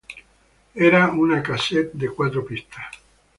Era una casete de cuatro pistas.